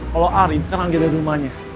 kalau arief sekarang lagi ada di rumahnya